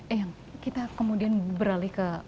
eh kita kemudian beralih ke